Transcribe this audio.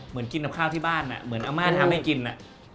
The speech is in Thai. เหมือนกินกับข้าวที่บ้านอะเหมือนอมา้ทำให้กินอะ